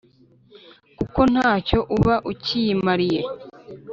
Kuko nta cyo uba ukiyimariye